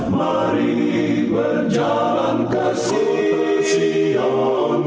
mari berjalan ke sion